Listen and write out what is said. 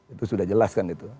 itu sudah jelas kan